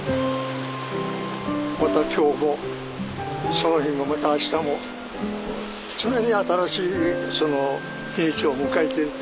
また今日もその日もまたあしたも常に新しい日にちを迎えていて。